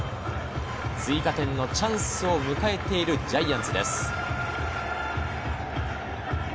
追加点のチャンスを迎えているジャイアンツです。